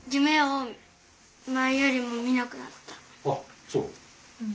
あっそう。